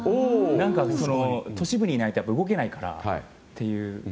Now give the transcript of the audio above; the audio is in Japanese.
都市部にいないと動けないから。